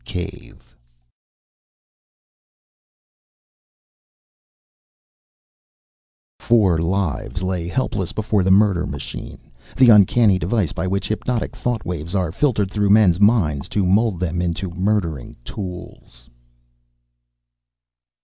Cave_ [Sidenote: Four lives lay helpless before the murder machine, the uncanny device by which hypnotic thought waves are filtered through men's minds to mold them into murdering tools!